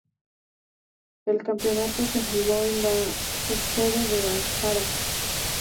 El campeonato se jugó en la subsede de Ankara.